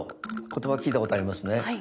言葉聞いたことありますね。